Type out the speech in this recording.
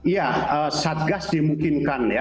ya satgas dimungkinkan ya